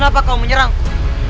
kenapa kau menyerangku